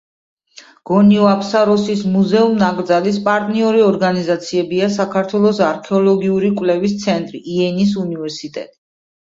გონიო-აფსაროსის მუზეუმ-ნაკრძალის პარტნიორი ორგანიზაციებია საქართველოს არქეოლოგიური კვლევის ცენტრი, იენის უნივერსიტეტი.